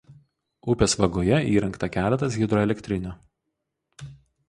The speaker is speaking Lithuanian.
Upės vagoje įrengta keletas hidroelektrinių.